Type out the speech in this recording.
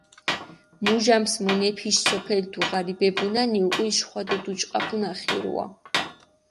მუჟამს მუნეფიში სოფელი დუღარიბებუნანი, უკული შხვადო დუჭყაფუნა ხირუა.